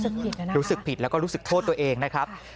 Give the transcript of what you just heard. รู้สึกผิดแล้วก็รู้สึกโทษตัวเองนะครับ